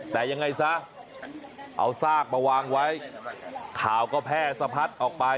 แต่ยังไงซะเอาซากมาวางไว้ข่าวก็แพร่สะพัดออกไป